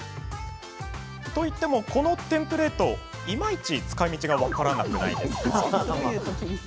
といっても、このテンプレートいまいち使いみちが分からなくないですか？